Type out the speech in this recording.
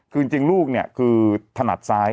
คือจริงลูกเนี่ยคือถนัดซ้าย